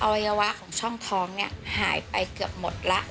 วัยวะของช่องท้องเนี่ยหายไปเกือบหมดแล้ว